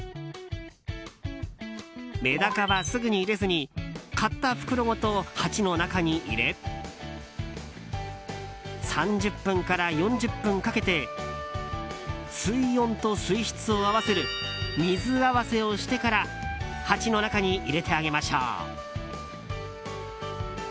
メダカはすぐに入れずに買った袋ごと鉢の中に入れ３０分から４０分かけて水温と水質を合わせる水合わせをしてから鉢の中に入れてあげましょう。